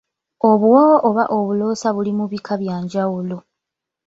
Obuwoowo oba obuloosa buli mu bika byanjawulo.